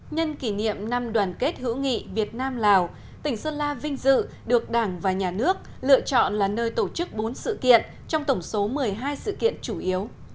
nhân kỷ niệm năm đoàn kết hữu nghị việt nam lào tỉnh sơn la vinh dự được đảng và nhà nước lựa chọn là nơi tổ chức bốn sự kiện trong tổng số một mươi hai sự kiện chủ yếu